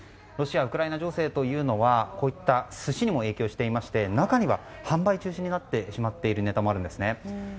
ロシア、ウクライナ情勢はこういった寿司にも影響していて中には、販売中止になってしまっているネタもあるんですね。